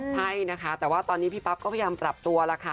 ใช่นะคะแต่ว่าตอนนี้พี่ปั๊บก็พยายามปรับตัวแล้วค่ะ